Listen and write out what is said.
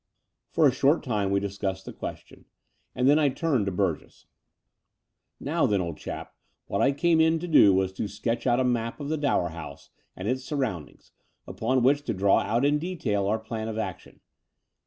For a short time we discussed the question ; and then I turned to Burgess. "Now then, old chap, what I came in to do was to sketch out a map of the Dower House and its surroimdings, upon which to draw out in detail our plan of action.